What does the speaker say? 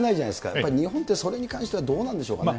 やっぱり日本ってそれに関してはどうなんでしょうかね。